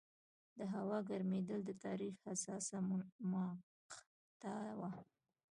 د هوا ګرمېدل د تاریخ حساسه مقطعه وه.